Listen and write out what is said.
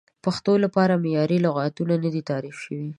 د پښتو لپاره معیاري لغتونه نه دي تعریف شوي.